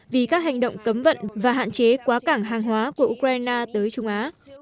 vì các hành động cấm vận và hạn chế quá cảng hàng hóa của ukraine tới trung á